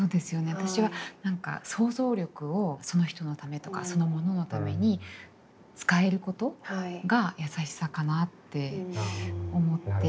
私は何か想像力をその人のためとかそのもののために使えることがやさしさかなって思って。